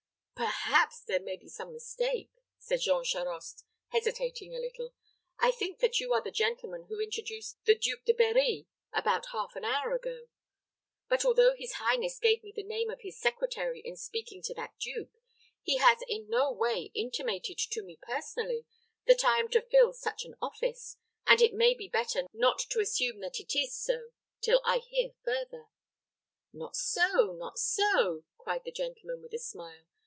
"Perhaps there may be some mistake," said Jean Charost, hesitating a little. "I think that you are the gentleman who introduced the Duke de Berri about half an hour ago; but, although his highness gave me the name of his secretary in speaking to that duke, he has in no way intimated to me personally that I am to fill such an office, and it may be better not to assume that it is so till I hear further." "Not so, not so," cried the gentleman, with a smile.